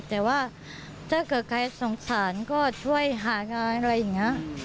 แต่ว่าถ้าเกิดใครสงสารก็ช่วยหางานอะไรอย่างนี้